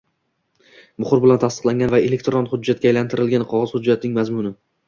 Muhr bilan tasdiqlangan va elektron hujjatga aylantirilgan qog‘oz hujjatning mazmuni